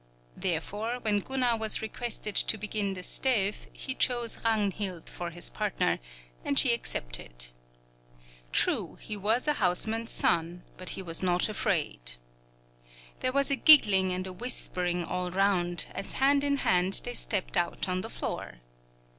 Therefore, when Gunnar was requested to begin the stev he chose Ragnhild for his partner, and she accepted. True, he was a houseman's son, but he was not afraid. There was a giggling and a whispering all round, as hand in hand they stepped out on the floor.